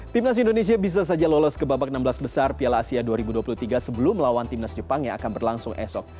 timnas indonesia bisa saja lolos ke babak enam belas besar piala asia dua ribu dua puluh tiga sebelum melawan timnas jepang yang akan berlangsung esok